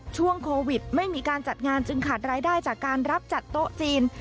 ช่วงโควิดไม่มีการจัดงานจึงขาดรายได้จากการรับจัดโต๊ะจีน